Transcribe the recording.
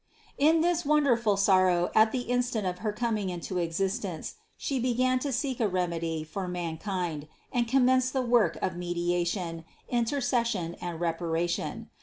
233. In this wonderful sorrow at the instant of her coming into existence, She began to seek a remedy for mankind and commenced the work of mediation, inter cession and reparation.